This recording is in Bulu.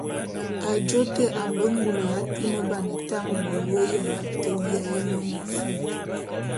Ajô te a mbe ngule ya tuneban tañe melu éyoñ a te biaé mona fam.